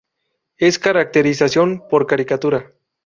Es caracterización por caricatura".